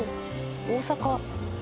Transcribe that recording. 大阪。